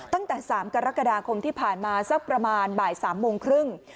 ตั้งแต่๓กรกฎาคมที่ผ่านมาสักประมาณบ่าย๓โมงครึ่ง